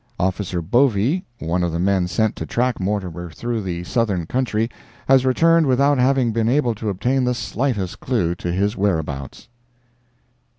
Officer Bovee, one of the men sent to track Mortimer through the southern country, has returned without having been able to obtain the slightest clue to his whereabouts.